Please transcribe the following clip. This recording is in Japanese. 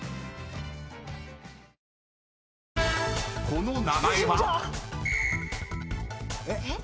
［この名前は？］えっ？